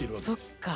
そっか。